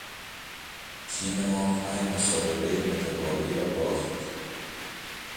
تیم ما پنج مسابقهی متوالی را باخت.